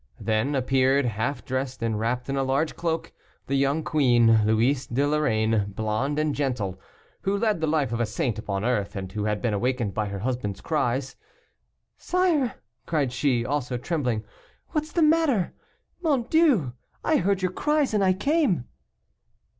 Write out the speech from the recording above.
Then appeared, half dressed and wrapped in a large cloak, the young queen, Louise de Lorraine, blonde and gentle, who led the life of a saint upon earth, and who had been awakened by her husband's cries. "Sire," cried she, also trembling, "what is the matter? Mon Dieu! I heard your cries, and I came."